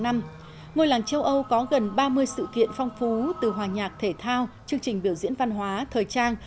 ngôi làng châu âu có gần ba mươi sự kiện phong phú từ hòa nhạc thể thao chương trình biểu diễn văn hóa thời trang